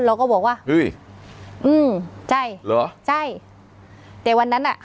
เราก็บอกว่าเฮ้ยอืมใช่เหรอใช่แต่วันนั้นอ่ะ